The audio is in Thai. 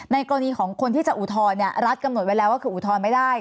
กรณีของคนที่จะอุทธรณ์รัฐกำหนดไว้แล้วว่าคืออุทธรณ์ไม่ได้